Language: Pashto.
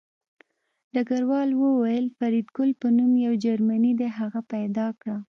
ډګروال وویل فریدګل په نوم یو جرمنی دی هغه پیدا کړه